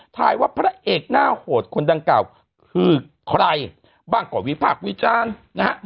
ถ่ายว่าพระเอกหน้าโหดคนดังกล่าวคือใครบ้างก็วิพากษ์วิจารณ์นะฮะ